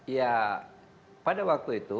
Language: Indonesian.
ya pada waktu itu